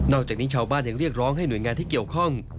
จากนี้ชาวบ้านยังเรียกร้องให้หน่วยงานที่เกี่ยวข้อง